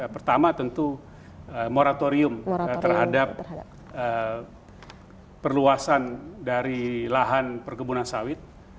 pertama tentu moratorium terhadap perluasan dari lahan perkebunan sawit